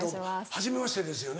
はじめましてですよね？